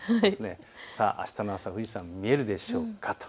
あしたの朝、富士山見えるでしょうか。